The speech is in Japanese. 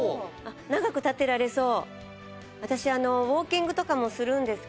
長く立ってられそう。